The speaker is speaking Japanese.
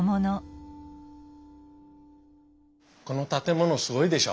この建物すごいでしょ？